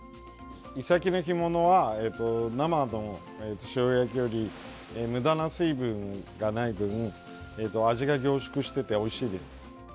イサキの干物は、生の塩焼きよりむだな水分がない分味が凝縮してておいしいです。